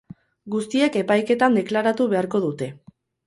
Guztiek epaiketan deklaratu beharko dute.